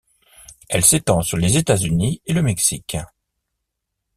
Elle s'étend sur les États-Unis et le Mexique.